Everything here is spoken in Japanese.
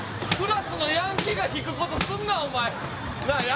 クラスのヤンキーが引くことすんなお前な